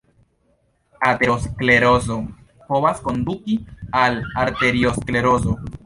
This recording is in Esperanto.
Aterosklerozo povas konduki al arteriosklerozo.